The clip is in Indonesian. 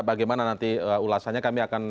bagaimana nanti ulasannya kami akan